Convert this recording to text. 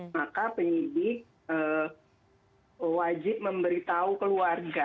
maka penyidik wajib memberitahu keluarga